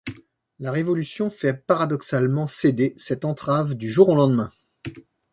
La révolution fait paradoxalement céder cette entrave du jour au lendemain.